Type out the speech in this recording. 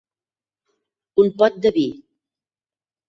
Un pot de vi.